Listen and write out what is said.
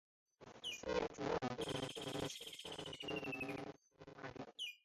寺内主要殿堂皆为歇山黑琉璃筒瓦顶。